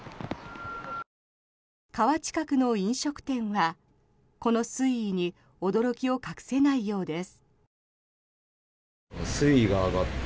川近くの飲食店はこの水位に驚きを隠せないようです。